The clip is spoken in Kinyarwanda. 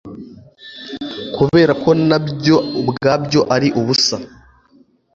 kubera ko na byo ubwabyo ari ubusa